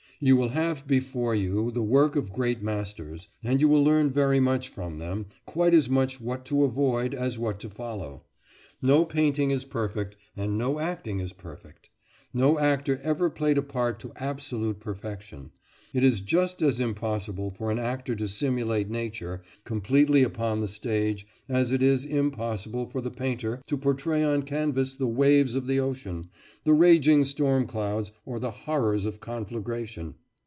You will have before you the work of great masters, and you will learn very much from them quite as much what to avoid as what to follow. No painting is perfect, and no acting is perfect. No actor ever played a part to absolute perfection. It is just as impossible for an actor to simulate nature completely upon the stage as it is impossible for the painter to portray on canvas the waves of the ocean, the raging storm clouds, or the horrors of conflagration.